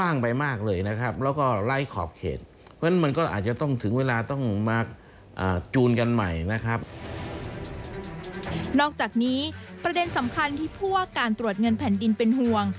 นอกจากนี้ประเด็นสำคัญที่ผู้ว่าการตรวจเงินแผ่นดินเป็นห่วง